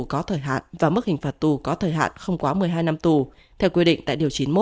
có thời hạn và mức hình phạt tù có thời hạn không quá một mươi hai năm tù theo quy định tại điều chín mươi một